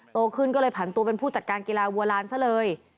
โตขึ้นก็เลยผันตัวเป็นผู้จัดการกีฬาวัวลานซะเลย